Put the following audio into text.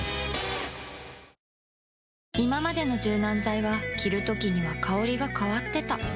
いままでの柔軟剤は着るときには香りが変わってた